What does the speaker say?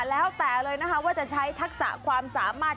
แล้วแต่เลยนะคะว่าจะใช้ทักษะความสามารถ